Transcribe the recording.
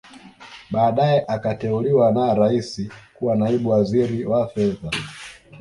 Baadae akateuliwa na Rais kuwa Naibu Waziri wa Fedha